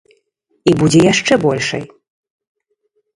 І будзе яшчэ большай.